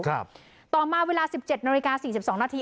ครับต่อมาเวลาสิบเจ็ดนาฬิกาสี่สิบสองนาที